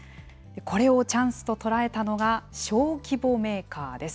これをチャンスと捉えたのが、小規模メーカーです。